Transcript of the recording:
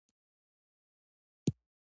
سوله د خلکو ترمنځ باور پیدا کوي